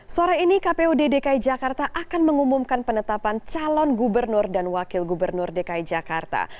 sore ini kpud dki jakarta akan mengumumkan penetapan calon gubernur dan wakil gubernur dki jakarta